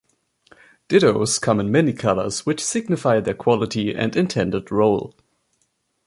Dittos come in many colors, which signify their quality and intended role.